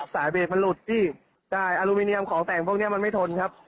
สายเบรกมันหลุดพี่ได้อลูมิเนียมของแต่งพวกนี้มันไม่ทนครับ